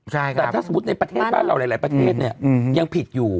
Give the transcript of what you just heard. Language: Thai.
แต่ถ้าสมมุติในประเทศบ้านเราหลายประเทศเนี่ยยังผิดอยู่